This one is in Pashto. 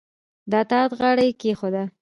د اطاعت غاړه یې کېښوده